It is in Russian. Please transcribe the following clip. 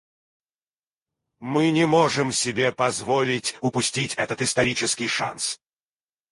Мы не можем себе позволить упустить этот исторический шанс.